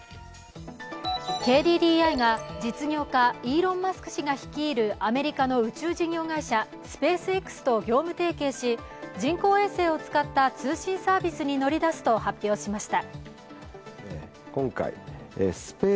ＫＤＤＩが実業家、イーロン・マスク氏が率いるアメリカの宇宙事業会社スペースＸと業務提携し、人工衛星を使った通信サービスに乗り出すと発表しました。